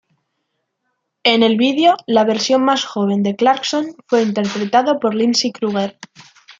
En el video, la versión más joven de Clarkson fue interpretado por Lindsay Kruger.